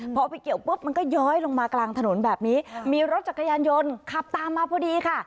พอไปเกี่ยวปุ๊บมันก็ย้อยลงมากลางถนนแบบนี้มีรถจักรยานยนต์ขับตามมาพอดีค่ะ